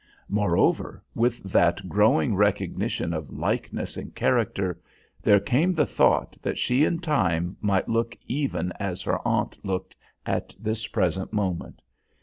Moreover, with that growing recognition of likeness in character, there came the thought that she in time might look even as her aunt looked at this present moment.